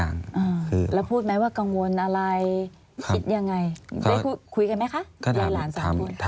อันดับ๖๓๕จัดใช้วิจิตร